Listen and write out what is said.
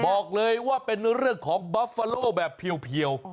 บอกเลยว่าเป็นเรื่องของบัฟฟาโลแบบเพียว